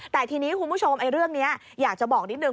แต่ทีนี้คุณผู้ชมเรื่องนี้อยากจะบอกนิดนึง